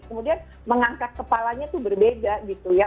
kemudian mengangkat kepalanya itu berbeda gitu ya